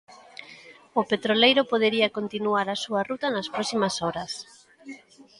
O petroleiro podería continuar a súa ruta nas próximas horas.